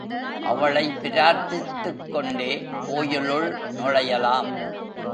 அவளைப் பிரார்த்தித்துக் கொண்டே கோயிலுள் நுழையலாம்.